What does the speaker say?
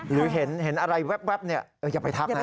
หรือเห็นอะไรแว๊บอย่าไปทักนะ